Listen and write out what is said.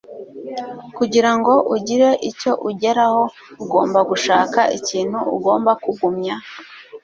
Kugira ngo ugire icyo ugeraho… Ugomba gushaka ikintu ugomba kugumya,